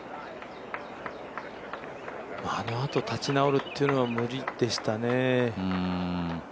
あのあと立ち直るというのが無理でしたね。